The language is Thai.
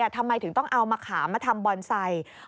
ทำไมถึงต้องเอามะขามมาทำบอนไซค์